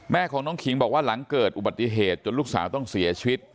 แม่ของน้องขิงบอกว่าหลังเกิดอุบัติเหตุจนลูกสาวต้องเสียชีวิต